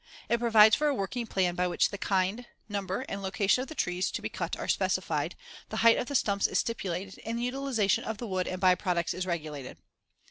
It provides for a working plan by which the kind, number and location of the trees to be cut are specified, the height of the stumps is stipulated and the utilization of the wood and by products is regulated.